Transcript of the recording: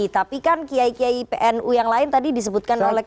tapi kan kiai kiai pnu yang lain tadi disebutkan oleh kiai